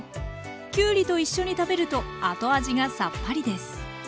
きゅうりと一緒に食べると後味がさっぱりです。